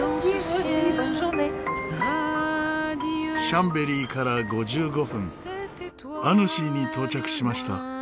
シャンベリーから５５分アヌシーに到着しました。